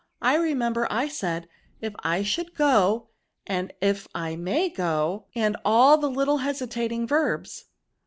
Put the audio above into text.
I remember I said, if I should go, and if I may go, and all the little hesitating verbs."